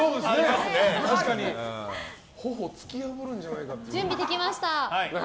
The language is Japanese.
頬を突き破るんじゃないかと。準備できました。